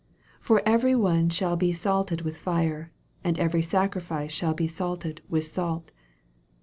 49 For every one shall be salted with fire ? and every sacrifice shall be salted with salt.